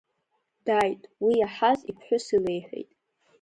Дааит, уи иаҳаз иԥҳәыс илеиҳәеит.